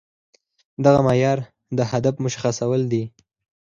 دغه معيار د هدف مشخصول دي.